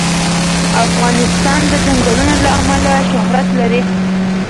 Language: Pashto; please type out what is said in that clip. افغانستان د چنګلونه له امله شهرت لري.